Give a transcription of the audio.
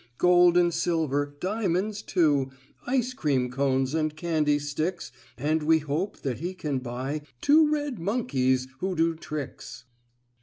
"Gold and silver, diamonds, too, Ice cream cones and candy sticks, And we hope that he can buy, Two red monkeys who do tricks."